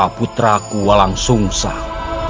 nimpa putraku walang sungsang